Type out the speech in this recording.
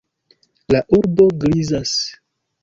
La urbo grizas.